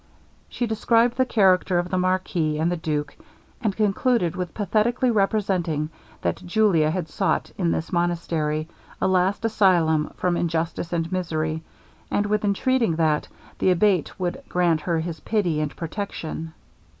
She described the characters of the marquis and the duke, and concluded with pathetically representing, that Julia had sought in this monastery, a last asylum from injustice and misery, and with entreating that the Abate would grant her his pity and protection.